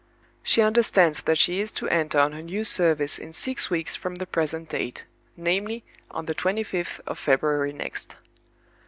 She understands that she is to enter on her new service in six weeks from the present date—namely, on the twenty fifth of February next.